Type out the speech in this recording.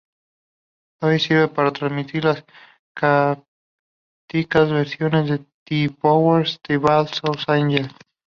Doyle sirve para transmitir las crípticas visiones de The Powers That Be to Angel.